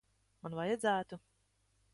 Man vajadzētu?